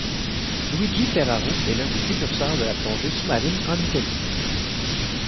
Luigi Ferraro est l'un des précurseurs de la plongée sous-marine en Italie.